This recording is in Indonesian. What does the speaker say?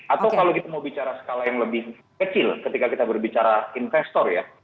atau kalau kita mau bicara skala yang lebih kecil ketika kita berbicara investor ya